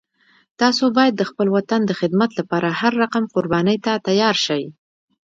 تاسو باید د خپل وطن د خدمت لپاره هر رقم قربانی ته تیار شئ